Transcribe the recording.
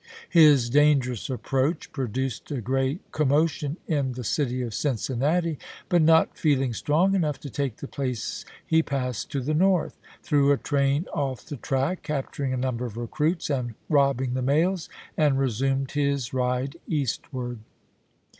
His dangerous approach produced a great commotion in the city of Cincinnati; but not feeling strong enough to take the place he passed to the north, threw a train off the track, capturing a number of recruits and robbing the mails, and resumed his ride eastward.